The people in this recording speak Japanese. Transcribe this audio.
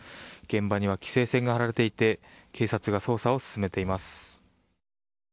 現場には規制線が張られていて警察が捜査を進めています。